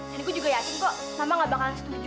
dan gue juga yakin kok mama nggak bakalan setuju